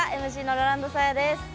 ＭＣのラランドサーヤです。